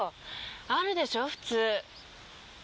あるでしょ普通。